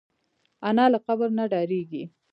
انا له قبر نه ډارېږي